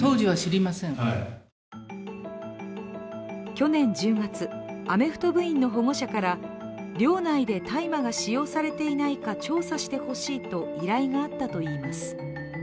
去年１０月アメフト部員の保護者から寮内で大麻が使用されていないか調査してほしいと依頼があったといいます。